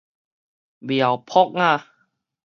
苗博雅